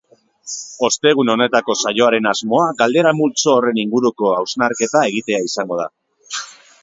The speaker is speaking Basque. Ostegun honetako saioaren asmoa galdera multzo horren inguruko hausnarketa egitea izango da.